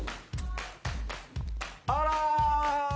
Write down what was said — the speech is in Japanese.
あら！